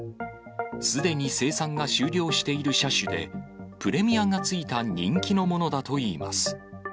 すでに生産が終了している車種で、プレミアがついた人気のものだといいます。